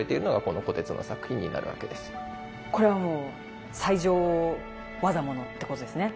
これはもう最上業物ってことですね。